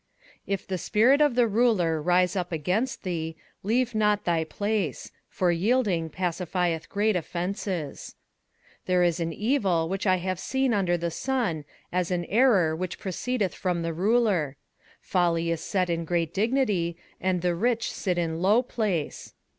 21:010:004 If the spirit of the ruler rise up against thee, leave not thy place; for yielding pacifieth great offences. 21:010:005 There is an evil which I have seen under the sun, as an error which proceedeth from the ruler: 21:010:006 Folly is set in great dignity, and the rich sit in low place.